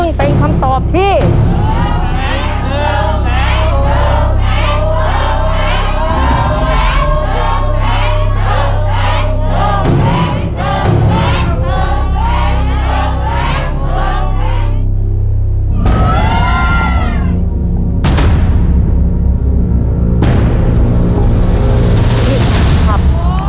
นี่ครับ